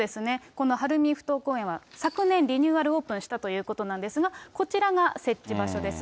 この晴海ふ頭公園は昨年、リニューアルオープンしたということですが、こちらが設置場所です。